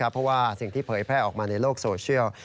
เพราะว่าสิ่งที่เผยแพร่ออกมาในโลกโซเชียล